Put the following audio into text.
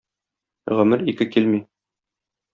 Гомер ике килми.